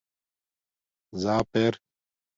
زاپ ار